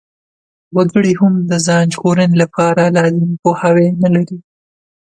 وګړي هم د ځان ژغورنې لپاره لازم پوهاوی نلري.